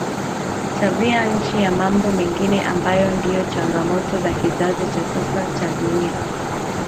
Tabia nchi na mambo mengine ambayo ndiyo changamoto za kizazi cha sasa cha dunia